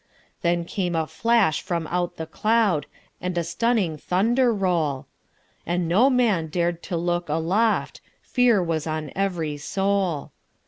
Then came a flash from out the cloud, And a stunning thunder roll; And no man dar'd to look aloft, For fear was on every soul.